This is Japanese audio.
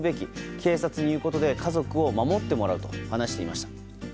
警察に言うことで家族を守ってもらうと話していました。